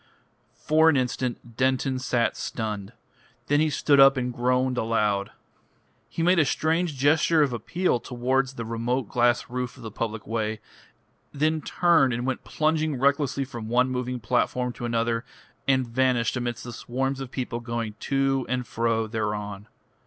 For an instant Denton sat stunned. Then he stood up and groaned aloud. He made a strange gesture of appeal towards the remote glass roof of the public way, then turned and went plunging recklessly from one moving platform to another, and vanished amidst the swarms of people going to and fro thereon.